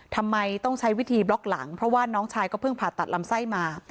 ทำไมต้องใช้วิธีบล็อกหลังเพราะว่าน้องชายก็เพิ่งผ่าตัดลำไส้มา